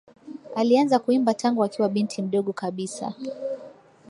Alianza kuimba tangu akiwa binti mdogo kabisa